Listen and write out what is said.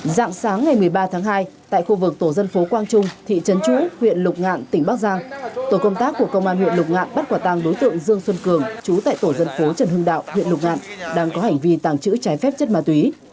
dạng sáng ngày một mươi ba tháng hai tại khu vực tổ dân phố quang trung thị trấn chú huyện lục ngạn tỉnh bắc giang tổ công tác của công an huyện lục ngạn bắt quả tàng đối tượng dương xuân cường chú tại tổ dân phố trần hưng đạo huyện lục ngạn đang có hành vi tàng trữ trái phép chất ma túy